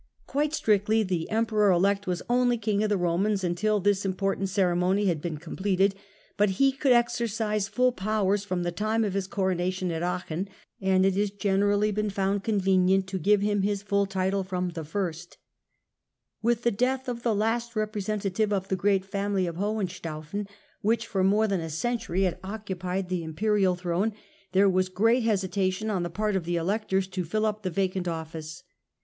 Quite strictly the Emperor elect was only King of the Romans until this important ceremony had been completed, but he could exercise full powers from the time of his coronation at Aachen, and it has generally been found convenient to give him his full title from the first. Tiie Great With the death of the last representative of the great mim"il54 family of Hohenstaufeu, which for more than a century ^^'■■^ had occupied the Imperial throne, there was great hesi tation on the part of the Electors to fill up the vacant office.